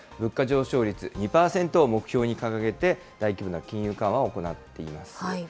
日銀は黒田総裁のもとで、物価上昇率２％を目標に掲げて、大規模な金融緩和を行っています。